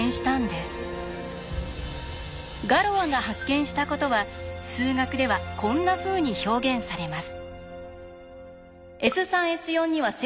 ガロアが発見したことは数学ではこんなふうに表現されます。